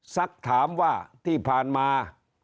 สักถามว่าที่ผ่านมา